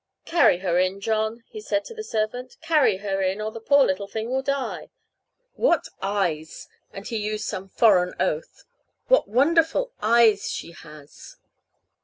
"Carry her in, John," he said to the servant "carry her in, or the poor little thing will die. What eyes!" and he used some foreign oath "what wonderful eyes she has!"